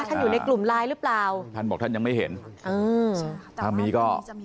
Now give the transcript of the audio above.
ถ้ามีหลักฐานก็